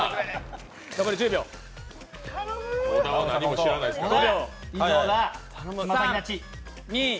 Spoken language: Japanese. お題は誰も知らないですからね。